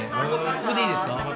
ここでいいですか？